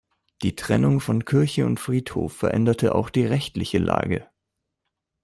Die Trennung von Kirche und Friedhof veränderte auch die rechtliche Lage.